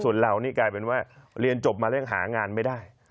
ส่วนเรานี่กลายเป็นว่าเรียนจบมาแล้วยังหางานไม่ได้